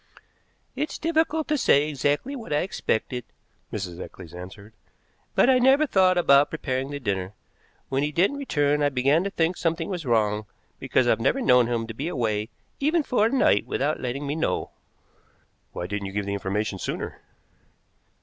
"It's difficult to say exactly what I expected," Mrs. Eccles answered, "but I never thought about preparing the dinner. When he didn't return I began to think something was wrong, because I've never known him to be away even for a night without letting me know." "Why didn't you give information sooner?"